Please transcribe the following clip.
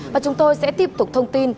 và chúng tôi sẽ tiếp tục thông tin